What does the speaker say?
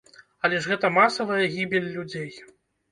Але ж гэта масавая гібель людзей.